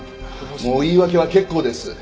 もう言い訳は結構です。